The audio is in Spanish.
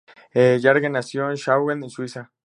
Jäger nació en Schaffhausen, Suiza.